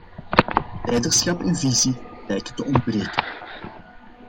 Leiderschap en visie lijken te ontbreken.